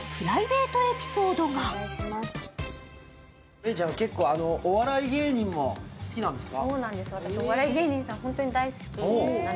芽育ちゃんは結構お笑い芸人も好きなんですか？